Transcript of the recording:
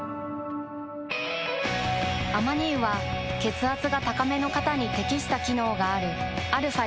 アマニ油は血圧が高めの方に適した機能があるαー